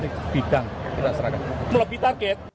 ini bidang yang lebih target